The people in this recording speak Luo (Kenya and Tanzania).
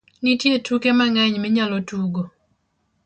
Nitie tuke mang'eny minyalo tugo.